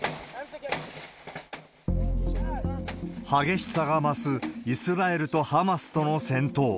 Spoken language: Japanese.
激しさが増すイスラエルとハマスとの戦闘。